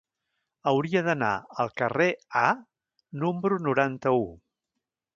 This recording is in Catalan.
Hauria d'anar al carrer A número noranta-u.